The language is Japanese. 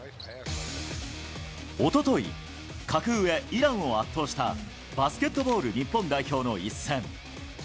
おととい、格上、イランを圧倒したバスケットボール日本代表の一戦。